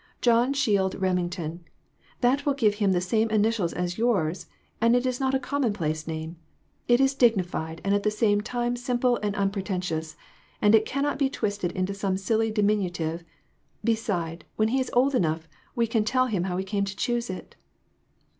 John Shield Remington ; that will give him the same initials as yours, and it is not a commonplace name ; it is dignified, and at the same time sim ple and unpretentious ; and it cannot be twisted into some silly diminutive; beside, when he is old enough, we can tell him how we came to choose it."